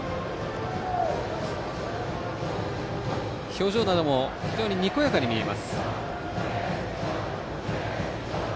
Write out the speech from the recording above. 表情などもにこやかに見えます。